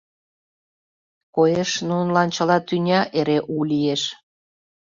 Коеш, нунылан чыла тӱня эре у лиеш.